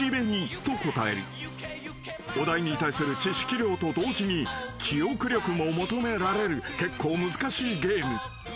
［お題に対する知識量と同時に記憶力も求められる結構難しいゲーム］